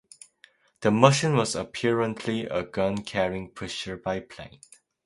The machine was apparently a gun-carrying pusher biplane